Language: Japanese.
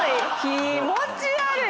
気持ち悪い！